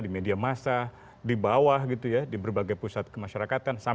di media massa di bawah di berbagai pusat kemasyarakatan